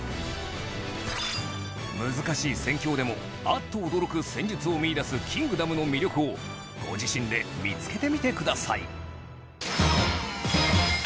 難しい戦況でもあっと驚く戦術を見いだす『キングダム』の魅力をご自身で見つけてみてください